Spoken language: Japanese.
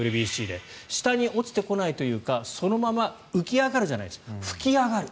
下に落ちてこないというかそのまま、浮き上がるじゃない吹き上がる。